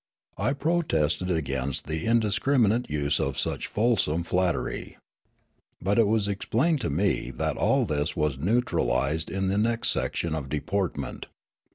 I protested against the indiscriminate use of such fulsome flattery. But it was explained to me that all this was neutralised in the next section of deportment.